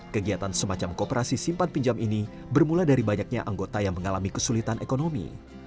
kegiatan semacam kooperasi simpan pinjam ini bermula dari banyaknya anggota yang mengalami kesulitan ekonomi